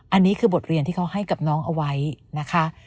อันนี้คือบทเรียนที่เขาให้กับน้องเอาไว้นะคะ